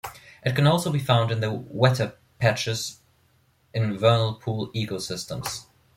It can also be found in the wetter patches in vernal pool ecosystems.